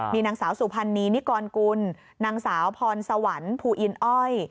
มีนางสาวสุพรรณีนิกรกุลนางสาวพรสวรรค์ภูอินอ้อย